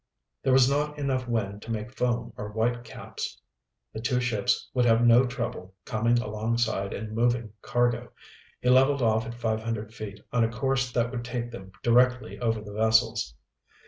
There was not enough wind to make foam or whitecaps. The two ships would have no trouble coming alongside and moving cargo. He leveled off at five hundred feet on a course that would take them directly over the vessels.